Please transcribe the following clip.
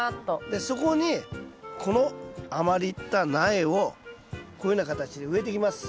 でそこにこの余った苗をこういうふうな形で植えていきます。